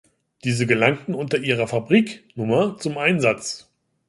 Diese gelangten unter ihrer Fabriknummer zum Einsatz.